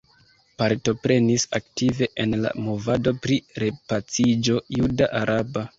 Partoprenis aktive en la movado pri repaciĝo juda-araba.